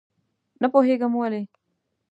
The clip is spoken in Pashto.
نه پوهېږم ولې.